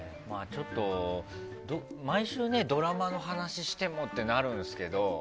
毎週ドラマの話してもってなるんですけど。